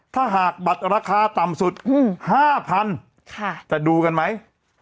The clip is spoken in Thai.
ถ้าหากบัตรราคาต่ำสุด๕๐๐๐จะดูกันไหม